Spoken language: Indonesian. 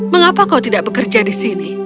mengapa kau tidak bekerja di sini